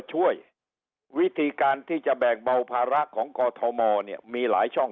ช่วยวิธีการที่จะแบ่งเบาภาระของกอทมเนี่ยมีหลายช่อง